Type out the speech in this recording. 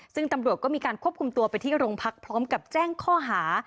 ซึ่งตำรวจก็มีการควบคุมตัวไปที่โรงพักพร้อมกับแจ้งข้อหา